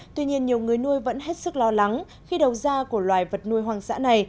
tuy nhiên nhiều người nuôi vẫn hết sức lo lắng khi đầu ra của loài vật nuôi hoang dã này